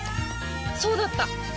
そうだった！